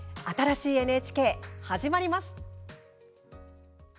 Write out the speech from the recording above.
新しいＮＨＫ、始まります。